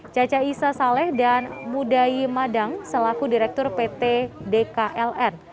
caca isa saleh dan mudai madang selaku direktur pt dkln